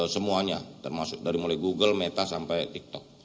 semuanya termasuk dari mulai google meta sampai tiktok